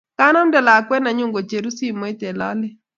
kanamte lakwet nenyun kocheru simet eng' lalet